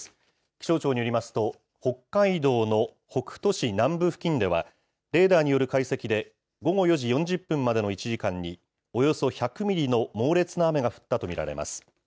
気象庁によりますと、北海道の北斗市南部付近ではレーダーによる解析で、午後４時４０分までの１時間に、およそ１００ミリの猛烈な雨が降ったと見られます。